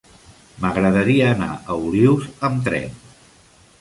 M'agradaria anar a Olius amb tren.